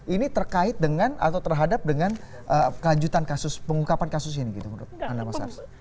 ini terkait dengan atau terhadap dengan kelanjutan kasus pengungkapan kasus ini gitu menurut anda mas ars